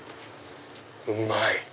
うまい。